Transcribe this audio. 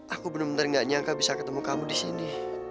aku bener bener nggak nyangka bisa ketemu kamu di sini